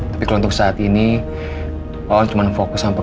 tapi kalau untuk saat ini wan cuma fokus sama pekerjaan wawan